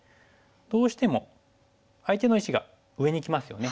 どうしても相手の石が上にきますよね。